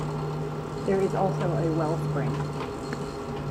There is also a well spring.